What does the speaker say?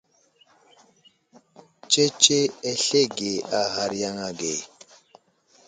Tsetse aslege a ghar yaŋ age.